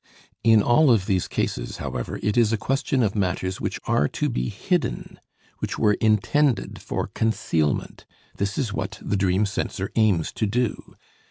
In all of these cases, however, it is a question of matters which are to be hidden, which were intended for concealment; this is what the dream censor aims to do.